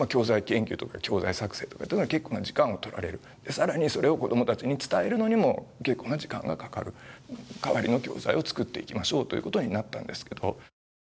更にそれを子供たちに伝えるのにも、結構な時間がかかる、代わりの教材を作っていきましょうということになったんですけど。